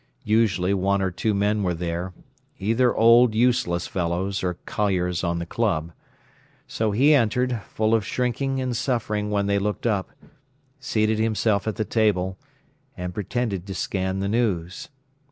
Usually one or two men were there, either old, useless fellows, or colliers "on the club". So he entered, full of shrinking and suffering when they looked up, seated himself at the table, and pretended to scan the news.